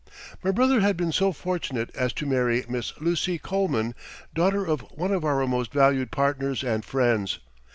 My brother had been so fortunate as to marry Miss Lucy Coleman, daughter of one of our most valued partners and friends.